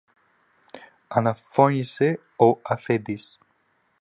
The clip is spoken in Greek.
αναφώνησε ο αφέντης.